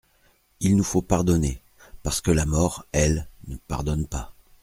Il nous faut pardonner, parce que la mort, elle, ne pardonne pas.